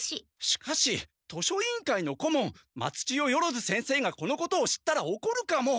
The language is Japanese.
しかし図書委員会の顧問松千代万先生がこのことを知ったらおこるかも！